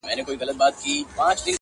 څنگه دي وستايمه؛